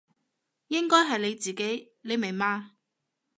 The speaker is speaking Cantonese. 應該係你自己，你明嘛？